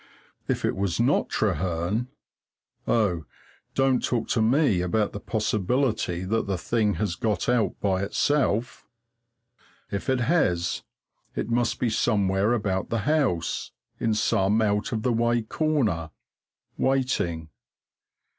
If it was not Trehearn oh, don't talk to me about the possibility that the thing has got out by itself! If it has, it must be somewhere about the house, in some out of the way corner, waiting.